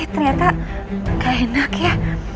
ternyata gak enak ya